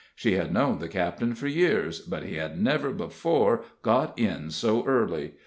She had known the captain for years, but he had never before got in so early.